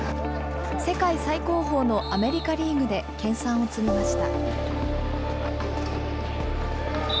世界最高峰のアメリカリーグで研さんを積みました。